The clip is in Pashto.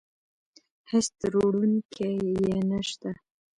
هېڅ تروړونکی يې نشته.